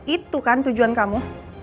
itu kan tujuan kamu